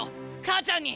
母ちゃんに！